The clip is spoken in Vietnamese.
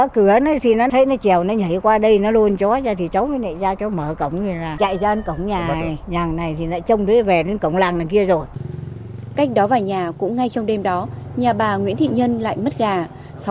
cách đó vài nhà cũng ngay trong đêm đó nhà bà nguyễn thị nhân lại mất gà